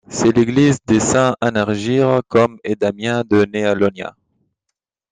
C'est l'église des Saints-Anargyres Côme et Damien de Néa Ionia.